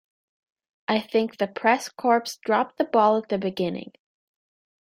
I think the press corps dropped the ball at the beginning.